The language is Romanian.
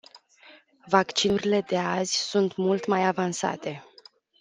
Vaccinurile de azi sunt mult mai avansate.